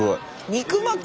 肉巻き？